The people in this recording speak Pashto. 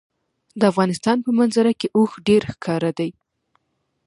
د افغانستان په منظره کې اوښ ډېر ښکاره دی.